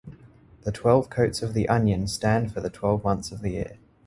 The twelve coats of the onion stand for the twelve months of the year.